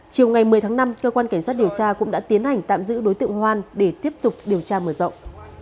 chiều ngày một mươi tháng năm cơ quan cảnh sát điều tra cũng đã tiến hành tạm giữ đối tượng hoan để tiếp tục điều tra mở rộng